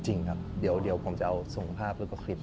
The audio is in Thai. จริงครับเดี๋ยวผมจะเอาส่งภาพแล้วก็คลิป